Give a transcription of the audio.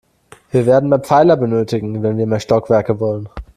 Wir werden mehr Pfeiler benötigen, wenn wir mehr Stockwerke wollen.